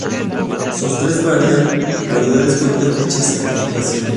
Sus tres variedades cuentan dicha certificación.